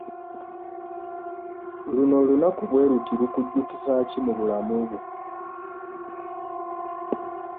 Luno olunaku bwe luti lukujjukiza ki mu bulamu bwo?